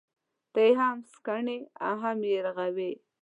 ته يې هم سکڼې ، هم يې رغوې.